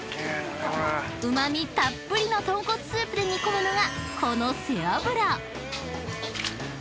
［うま味たっぷりの豚骨スープで煮込むのがこの］